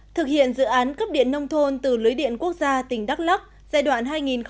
thực hiện dự án cấp điện nông thôn từ lưới điện quốc gia tỉnh đắk lắc giai đoạn hai nghìn một mươi sáu hai nghìn hai mươi